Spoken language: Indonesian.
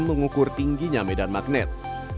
mengukur tingginya medan magnet